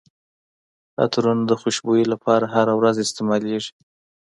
عطرونه د خوشبويي لپاره هره ورځ استعمالیږي.